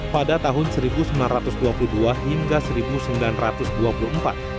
pada tahun seribu sembilan ratus dua puluh dua hingga seribu sembilan ratus dua puluh empat